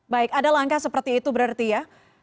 baik ada langkah seperti itu berarti ya